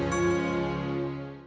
kau tidak bisa menang